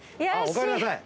おかえりなさい。